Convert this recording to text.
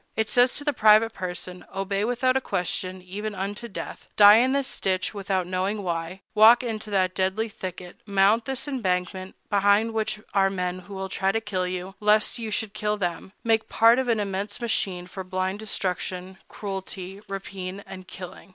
It says to the private person: "Obey without a question, even unto death; die in this ditch, without knowing why; walk into that deadly thicket; mount this embankment, behind which are men who will try to kill you, lest you should kill them; make part of an immense machine for blind destruction, cruelty, rapine, and killing."